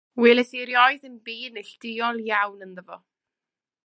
Welis i erioed ddim byd neilltuol iawn ynddo fo.